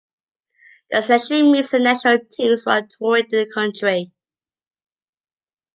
The selection meets the National teams while touring the country.